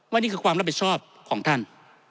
นี่คือความรับผิดชอบของท่าน